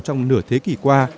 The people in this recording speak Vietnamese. trong nửa thế kỷ qua